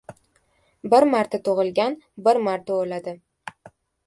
• Bir marta tug‘ilgan bir marta o‘ladi.